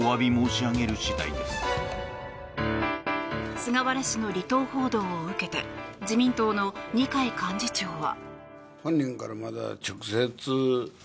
菅原氏の離党報道を受けて自民党の二階幹事長は。